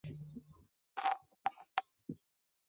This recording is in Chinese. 任刑部山西司主事。